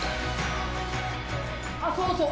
あっそうそう。